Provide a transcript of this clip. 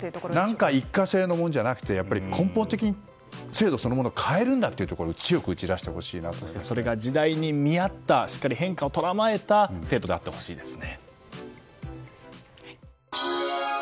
何か一過性のものじゃなくて根本的に制度そのものを変えるんだというところをそれが時代に見合ったしっかり変化を捉えた制度であってほしいですね。